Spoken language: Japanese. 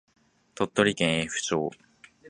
鳥取県江府町